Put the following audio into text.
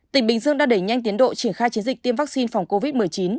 tỉnh bình dương đã đẩy nhanh tiến độ triển khai chiến dịch tiêm vaccine phòng covid một mươi chín